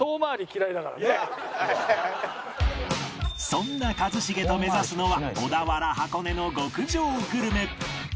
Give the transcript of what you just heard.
そんな一茂と目指すのは小田原箱根の極上グルメ